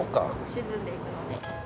沈んでいくので。